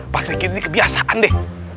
pak sri giti kebiasaan deh